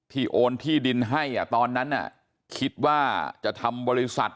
โอนที่ดินให้ตอนนั้นคิดว่าจะทำบริษัท